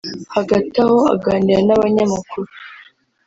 Hagati aho aganira n’abanyamakuru